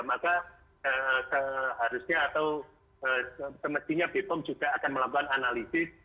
maka seharusnya atau sementaranya bpom juga akan melakukan analisis